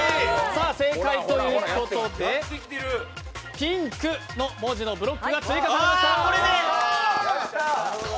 ということで「ぴ」「ん」「く」の文字のブロックが追加されました。